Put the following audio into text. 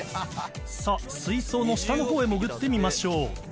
さあ、水槽の下のほうへ潜ってみましょう。